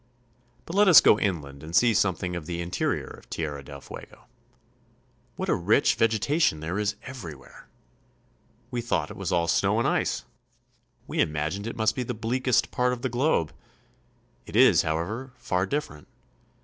But let us go inland and see something of the interior of Tierra del Fuego. What a rich vegetation there is everywhere ! We thought it was all snow and ice. We imagined it must be the bleakest part of the globe. It is, however, far different.